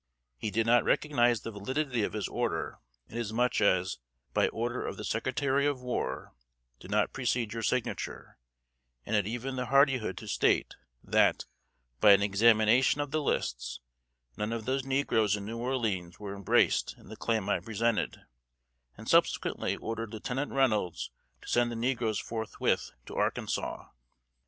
He did not recognize the validity of his order, inasmuch as 'By order of the Secretary of War' did not precede your signature, and had even the hardihood to state, that, by an examination of the lists, none of those negroes in New Orleans were embraced in the claim I presented, and subsequently ordered Lieutenant Reynolds to send the negroes forthwith to Arkansas.